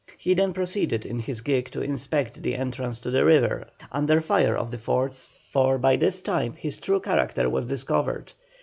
He then proceeded in his gig to inspect the entrance to the river, under fire of the forts, for by this time his true character was discovered.